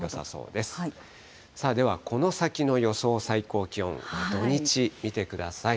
では、この先の予想最高気温、土日、見てください。